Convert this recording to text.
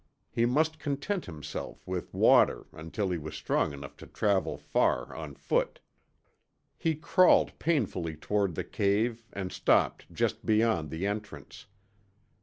He must content himself with water until he was strong enough to travel far on foot. He crawled painfully toward the cave and stopped just beyond the entrance.